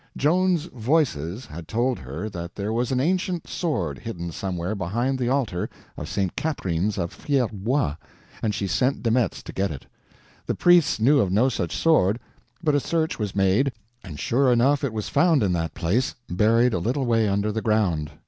Joan's Voices had told her that there was an ancient sword hidden somewhere behind the altar of St. Catherine's at Fierbois, and she sent De Metz to get it. The priests knew of no such sword, but a search was made, and sure enough it was found in that place, buried a little way under the ground.